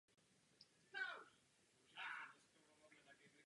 Stonky jsou často čtyřhranné až křídlaté.